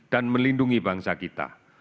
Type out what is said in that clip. dan melindungi bangsa kita